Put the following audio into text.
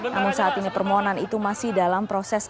namun saat ini permohonan itu masih dalam proses